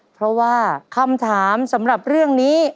เพราะว่าคำถามสำหรับเรื่องนี้